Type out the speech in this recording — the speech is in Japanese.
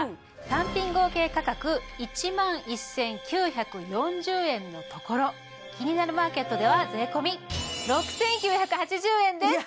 単品合計価格１万１９４０円のところ「キニナルマーケット」では税込６９８０円です！